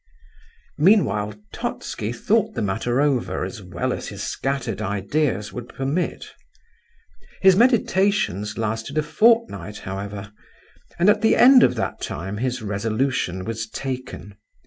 Meanwhile, Totski thought the matter over as well as his scattered ideas would permit. His meditations lasted a fortnight, however, and at the end of that time his resolution was taken.